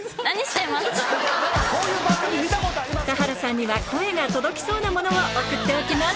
田原さんには声が届きそうなものを送っておきます